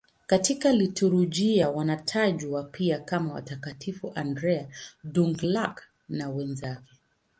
Katika liturujia wanatajwa pia kama Watakatifu Andrea Dũng-Lạc na wenzake.